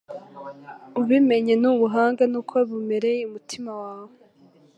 Ubimenye n’ubuhanga ni ko bumereye umutima wawe